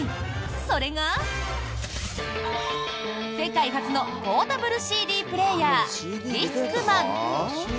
それが、世界初のポータブルＣＤプレーヤーディスクマン。